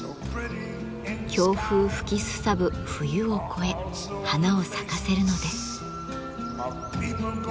強風吹きすさぶ冬を越え花を咲かせるのです。